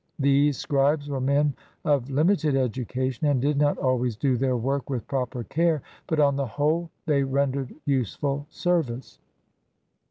These scribes were men of limited education and did not always do their work with proper care» but on the whole they ren« dered useful service.